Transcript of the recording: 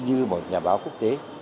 như một nhà báo quốc tế